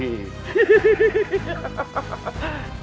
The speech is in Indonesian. kau memang hebat